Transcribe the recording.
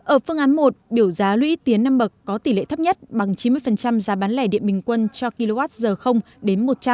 ở phương án một biểu giá lũy tiến năm bậc có tỷ lệ thấp nhất bằng chín mươi giá bán lẻ điện bình quân cho kwh đến một trăm linh